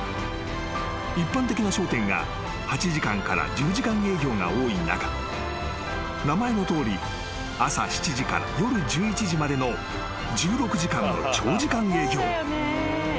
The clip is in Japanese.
［一般的な商店が８時間から１０時間営業が多い中名前のとおり朝７時から夜１１時までの１６時間の長時間営業］